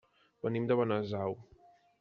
Venim de Benasau.